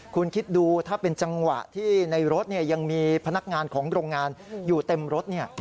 คุณคิดดูถ้าเป็นจังหวะที่ในรถยังมีพนักงานของโรงงานอยู่เต็มรถ